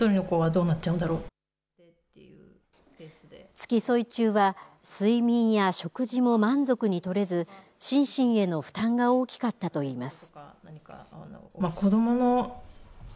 付き添い中は睡眠や食事も満足にとれず心身への負担が大きかったと言います。